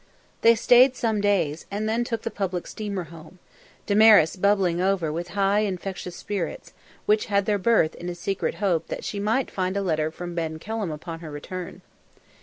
They stayed some days, and then took the public steamer home, Damaris bubbling over with high infectious spirits, which had their birth in a secret hope that she might find a letter from Ben Kelham upon her return.